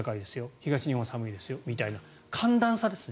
東日本は寒いですよみたいな寒暖差ですね